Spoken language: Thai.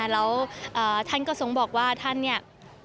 แล้วท่านก็ทรงบอกว่าท่านเนี่ย